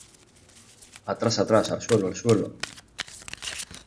¡ Atrás! ¡ atrás !¡ al suelo !¡ al suelo !